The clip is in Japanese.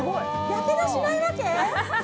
やけどしないわけ？